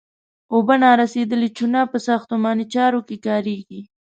اوبه نارسیدلې چونه په ساختماني چارو کې کاریږي.